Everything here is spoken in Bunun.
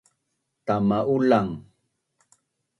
tama Ulang